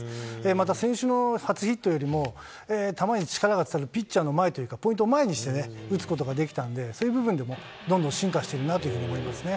また、先週の初ヒットよりも、球に力がピッチャーの前というか、ポイントを前にして打つことができたんで、そういう部分でもどんどん進化しているなと思いますね。